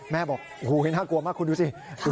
แม่บอกโอ้โหน่ากลัวมากคุณดูสิ